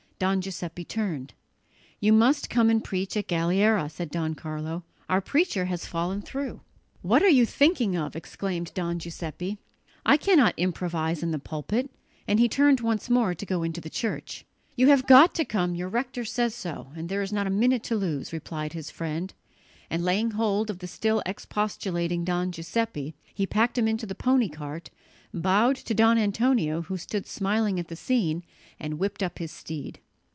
Don Giuseppe turned. "You must come and preach at Galliera," said Don Carlo; "our preacher has fallen through." "What are you thinking of?" exclaimed Don Giuseppe. "I cannot improvise in the pulpit!" and he turned once more to go into the church. "You have got to come, your rector says so, and there is not a minute to lose," replied his friend; and, laying hold of the still expostulating Don Giuseppe, he packed him into the pony cart, bowed to Don Antonio who stood smiling at the scene, and whipped up his steed.